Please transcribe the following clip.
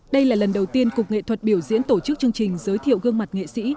đây là lần đầu tiên cục nghệ thuật biểu diễn tổ chức chương trình giới thiệu gương mặt nghệ sĩ